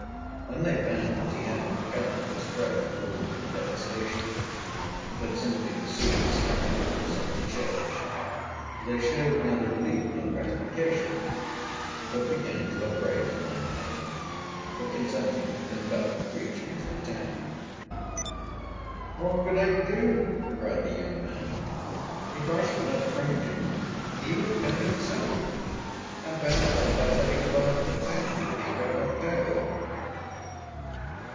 When they found that he had not come to spread ruin and devastation, but simply to see his stony likeness on the church, they showed neither relief nor gratification, but began to upbraid the Minor Canon for consenting to conduct the creature into the town. "What could I do?" cried the young man. "If I should not bring him he would come himself and, perhaps, end by setting fire to the town with his red hot tail."